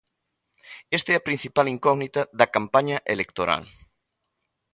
Esta é a principal incógnita da campaña electoral.